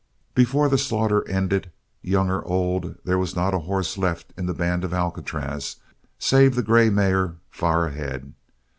Before the slaughter ended, young or old there was not a horse left in the band of Alcatraz save the grey mare far ahead.